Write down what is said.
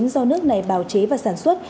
do nước này bào chế và sản xuất